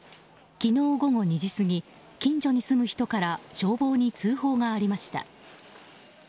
昨日午後２時過ぎ近所に住む人から消防に通報がありました。